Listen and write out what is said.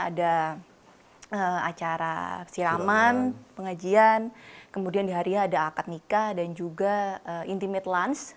ada acara siraman pengajian kemudian di harinya ada akad nikah dan juga intimate lunch